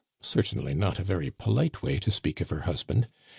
* Cer tainly not a very polite way to speak of her husband.